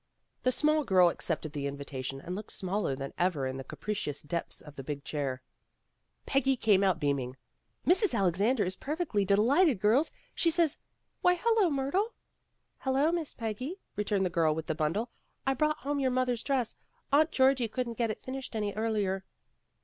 The small girl accepted the invitation and looked smaller than ever in the capacious depths of the big chair. FRIENDLY TERRACE ORPHANAGE 103 Peggy came out beaming. "Mrs. Alexander is perfectly delighted, girls. She says ^Why, hello, Myrtle!" "Hello, Miss Peggy," returned the girl with the bundle. "I brought home your mother's dress. Aunt Georgie couldn't get it finished any earlier."